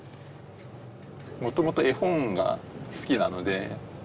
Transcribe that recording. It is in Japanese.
もともと絵本が好きなので。